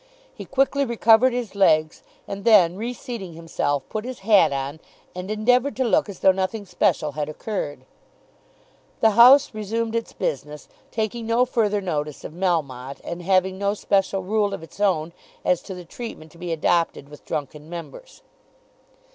He quickly recovered his legs, and then reseating himself, put his hat on, and endeavoured to look as though nothing special had occurred. The House resumed its business, taking no further notice of Melmotte, and having no special rule of its own as to the treatment to be adopted with drunken members.